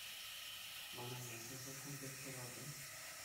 Мана мӗншӗн-ха кун пек тӑватӑн?